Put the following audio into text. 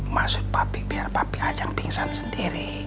maksud papi biar papi ajang pingsan sendiri